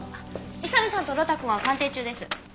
宇佐見さんと呂太くんは鑑定中です。